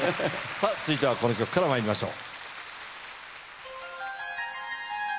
続いてはこの曲からまいりましょう。